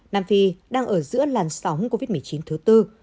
nam phi đang ở giữa làn sóng covid một mươi chín thứ tư